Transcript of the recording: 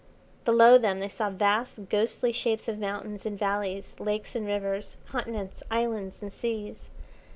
Below them they saw vast, ghostly shapes of mountains and valleys, lakes and rivers, continents, islands, and seas.